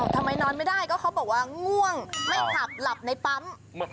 ทำไมนอนไม่ได้ก็เขาบอกว่าง่วงไม่ขับหลับในปั๊ม